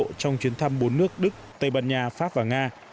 đức đã bắt đầu chuyến thăm bốn nước đức tây ban nha pháp và nga